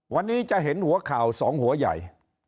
วันนี้จะเห็นหัวข่าวสองหัวใหญ่